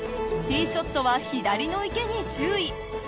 ティーショットは左の池に注意。